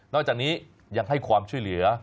จากนี้ยังให้ความช่วยเหลือ